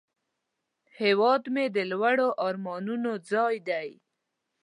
هیواد مې د لوړو آرمانونو ځای دی